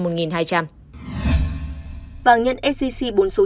vàng nhân scc bốn số chín